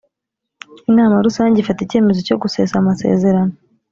inama rusange ifata icyemezo cyo gusesa amasezerano